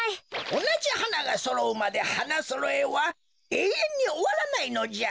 おなじはながそろうまで花そろえはえいえんにおわらないのじゃ。